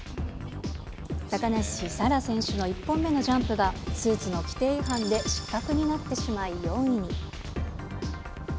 高梨沙羅選手の１本目のジャンプが、スーツの規定違反で失格になってしまい４位に。